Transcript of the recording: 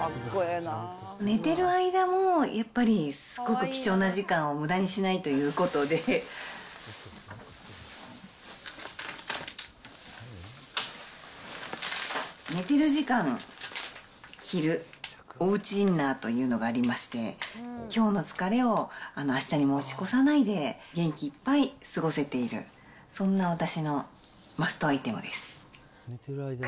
寝てる間もやっぱり、すごく貴重な時間をむだにしないということで、寝てる時間に着るおうちインナーというのがありまして、きょうの疲れをあしたに持ち越さないで、元気いっぱい過ごせている、そんな私のマストアイテムです。